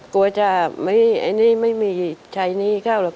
กลัวจะไม่อันนี้ไม่มีชัยนี้เข้าหรอก